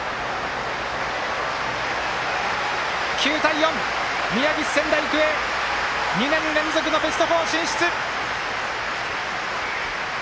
９対４、宮城、仙台育英２年連続のベスト４進出！